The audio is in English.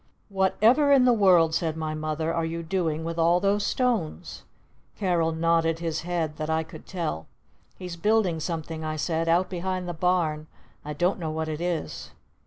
"Whatever in the world," said my Mother, "are you doing with all those stones?" Carol nodded his head that I could tell. "He's building something," I said. "Out behind the barn! I don't know what it is!"